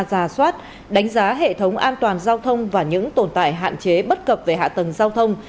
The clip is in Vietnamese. giả soát đánh giá hệ thống an toàn giao thông và những tồn tại hạn chế bất cập về hạ tầng giao thông